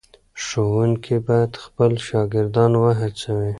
ښوونکي باید خپل شاګردان وهڅوي.